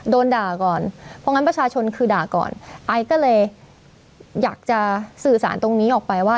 โดนด่าก่อนเพราะงั้นประชาชนคือด่าก่อนไอซ์ก็เลยอยากจะสื่อสารตรงนี้ออกไปว่า